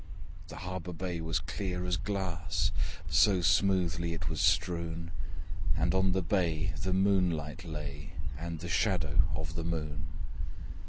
The harbour bay was clear as glass, So smoothly it was strewn! And on the bay the moonlight lay, And the shadow of the Moon.